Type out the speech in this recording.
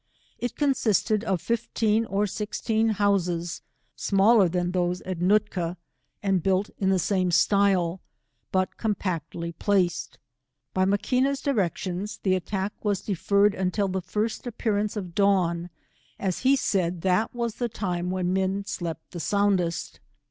It consisted of fifteen or sixteen houses, smaller than those at NooS ka, and built in the same style, but compactly placed. By Maquioa's directions, the attack w^s deferred until the first appearance of dawn, as he said that was the time when men slept the soundest.